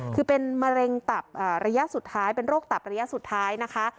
คือเป็นมะเร็งตับระยะสุดท้ายเป็นโรคตับระยะสุดท้ายนะคะ